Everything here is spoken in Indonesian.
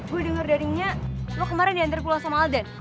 gue denger daringnya lo kemarin diantar pulang sama alden